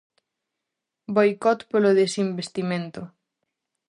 Boicot polo desinvestimento.